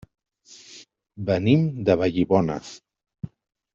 Venim de Vallibona.